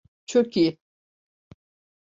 Çok iyi.